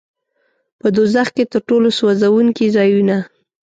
په دوزخ کې تر ټولو سوځوونکي ځایونه.